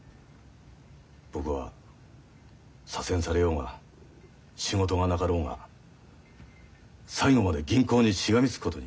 僕は左遷されようが仕事がなかろうが最後まで銀行にしがみつくことに決めました。